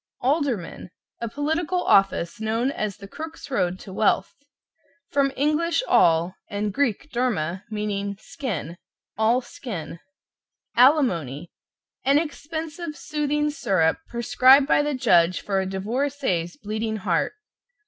=ALDERMAN= A political office known as the Crook's Road to Wealth. From Eng. all, and Greek derma, meaning skin "all skin." =ALIMONY= An expensive soothing syrup, prescribed by the judge for a divorcee's bleeding heart.